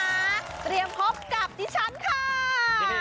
เตรียมพบกับดิฉันค่ะ